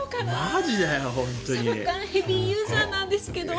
サバ缶ヘビーユーザーなんですけど。